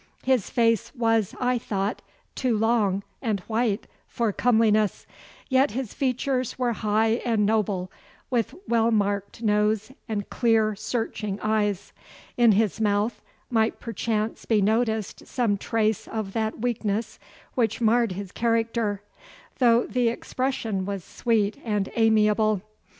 His face was, I thought, too long and white for comeliness, yet his features were high and noble, with well marked nose and clear, searching eyes. In his mouth might perchance be noticed some trace of that weakness which marred his character, though the expression was sweet and amiable.